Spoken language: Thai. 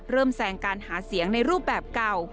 เริ่มแส่งการหาเสียงในรูปแบบเก่า